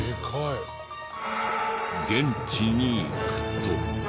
現地に行くと。